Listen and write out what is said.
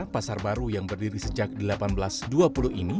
pasar baru yang berdiri sejak seribu delapan ratus dua puluh ini